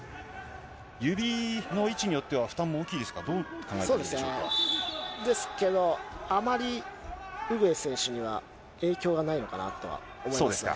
指の位置によっては、負担も大きいですか、ですけど、あまりウグエフ選手には影響がないのかなとは思いますが。